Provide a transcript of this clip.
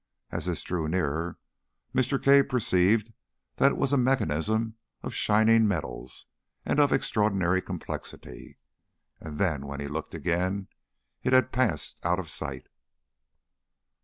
As this drew nearer Mr. Cave perceived that it was a mechanism of shining metals and of extraordinary complexity. And then, when he looked again, it had passed out of sight.